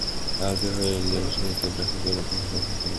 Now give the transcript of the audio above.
আগে হইলে সে তো ডাকিবার অপেক্ষা রাখিত না।